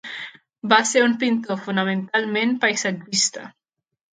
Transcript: Va ser un pintor fonamentalment paisatgista.